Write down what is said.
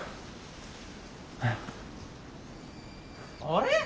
あれ？